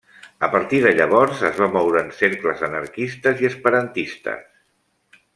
A partir de llavors es va moure en cercles anarquistes i esperantistes.